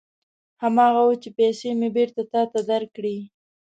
هماغه و چې پېسې مې بېرته تا ته درکړې.